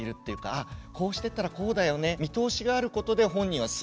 あこうしてったらこうだよね見通しがあることで本人はすごく安心。